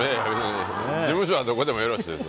事務所はどこでもよろしいです。